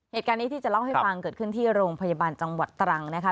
เหตุการณ์นี้ที่จะเล่าให้ฟังเกิดขึ้นที่โรงพยาบาลจังหวัดตรังนะคะ